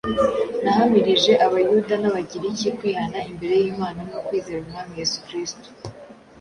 Nahamirije Abayuda n’Abagiriki kwihana imbere y’Imana, no kwizera Umwami Yesu Kristo